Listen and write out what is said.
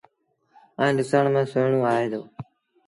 ائيٚݩ ڏسڻ ميݩ سُوئيڻون آئي دو۔